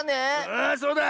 ⁉ああそうだ。